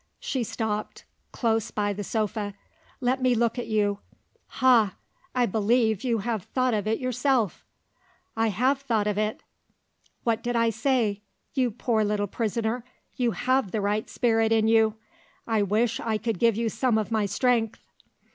She stopped, close by the sofa. "Let me look at you. Ha! I believe you have thought of it yourself?" "I have thought of it." "What did I say? You poor little prisoner, you have the right spirit in you! I wish I could give you some of my strength."